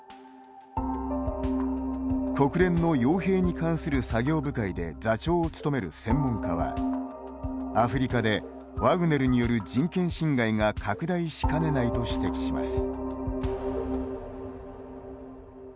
国連のよう兵に関する作業部会で座長を務める専門家はアフリカでワグネルによる人権侵害が拡大しかねないと指摘します。